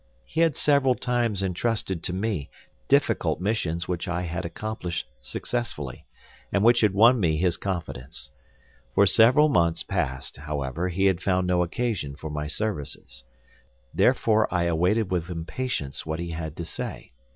He had several times entrusted to me difficult missions which I had accomplished successfully, and which had won me his confidence. For several months past, however, he had found no occasion for my services. Therefore I awaited with impatience what he had to say.